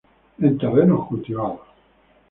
En terrenos cultivados.